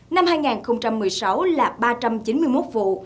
năm hai nghìn một mươi sáu là ba trăm chín mươi một vụ